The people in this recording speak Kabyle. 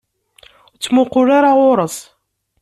Ur ttmuqul ara ɣur-s!